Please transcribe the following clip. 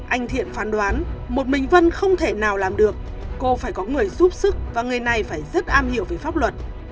anh thiện phán đoán một mình vân không thể nào làm được cô phải có người giúp sức và người này phải rất am hiểu về pháp luật